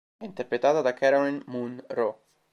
È interpretata da Caroline Munro.